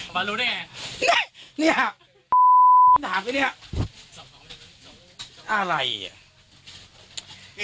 มารู้ได้ไงเนี่ยมันถามสิเนี่ยอะไรอ่ะ